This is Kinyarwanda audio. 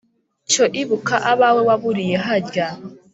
Cyo ibuka abawe waburiye harya